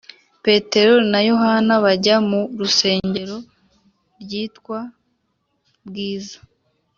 Petero na yohana bajya mu rusengero ryitwa bwiza